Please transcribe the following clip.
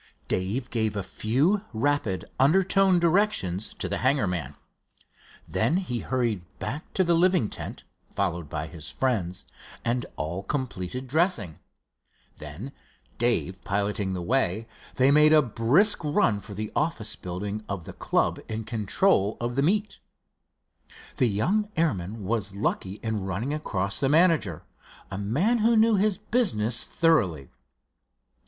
Dave gave a few rapid, undertoned directions to the hangar man. Then he hurried back to the living tent, followed by his friends, and all completed dressing. Then, Dave piloting the way, they made a brisk run for the office building of the club in control of the meet. The young airman was lucky in running across the manager, a man who knew his business thoroughly.